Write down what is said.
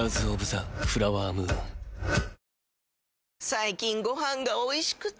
最近ご飯がおいしくて！